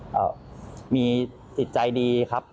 คุณมีสิทธิ์ใจดีครับ